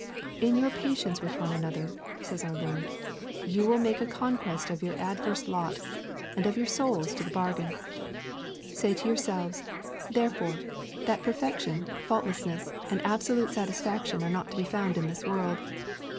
In your patience with one another, says our Lord, you will make a conquest of your adverse lot, and of your souls to the bargain. Say to yourselves, therefore, that perfection, faultlessness, and absolute satisfaction are not to be found in this world.